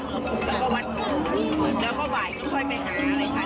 คงจะเป็นวันเดิมค่ะ